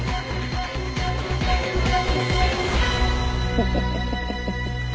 フフフフ。